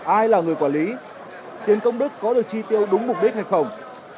ai là người quản lý tiền công đức có được chi tiêu đúng mục đích hay không